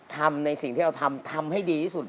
ทำในสิ่งที่เราทำทำให้ดีที่สุด